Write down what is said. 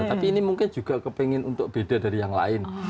tapi ini mungkin juga kepengen untuk beda dari yang lain